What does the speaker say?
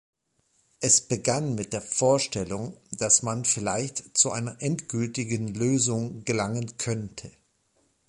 Es begann mit der Vorstellung, dass man vielleicht zu einer endgültigen Lösung gelangen könnte.